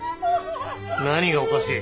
何がおかしい！？